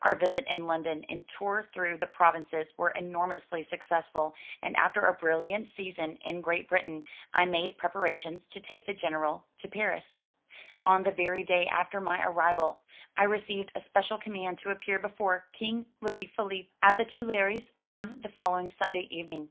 Our visit in London and tour through the provinces were enormously success ful, and after a brilliant season in Great Britain, I made preparations to take the General to Paris. On the very day after my arrival, I received a special command to appear before King Louis Philippe at the Tuileries on the following Sunday evening.